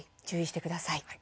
注意してください。